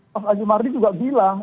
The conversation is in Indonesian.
prof azimardi juga bilang